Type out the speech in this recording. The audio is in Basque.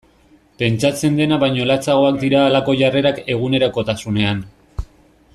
Pentsatzen dena baino latzagoak dira halako jarrerak egunerokotasunean.